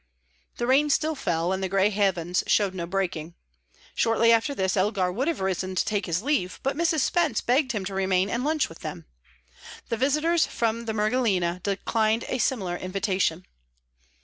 The rain still fell, and the grey heavens showed no breaking. Shortly after this, Elgar would have risen to take his leave, but Mrs. Spence begged him to remain and lunch with them. The visitors from the Mergellina declined a similar invitation.